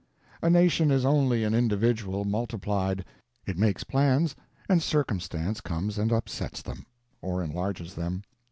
A nation is only an individual multiplied. It makes plans and Circumstance comes and upsets them—or enlarges them.